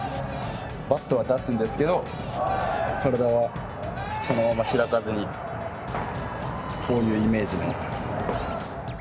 バットは出すんですけど体はそのまま開かずにこういうイメージの。